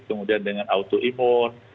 kemudian dengan auto imun